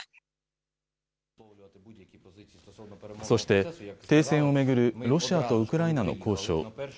そして停戦を巡るロシアとウクライナの交渉。